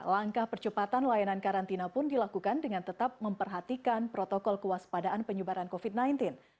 langkah percepatan layanan karantina pun dilakukan dengan tetap memperhatikan protokol kewaspadaan penyelenggaraan